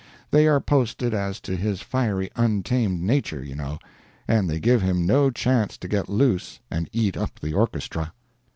They are posted as to his fiery untamed nature, you know, and they give him no chance to get loose and eat up the orchestra.